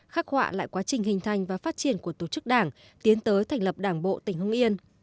khắc họa lại quá trình hình thành và phát triển của tổ chức đảng tiến tới thành lập đảng bộ tỉnh hưng yên